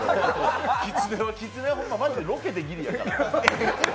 きつねはきつねで、ロケでギリやから。